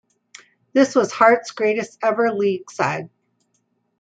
This was Hearts' greatest ever league side.